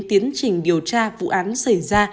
tiến trình điều tra vụ án xảy ra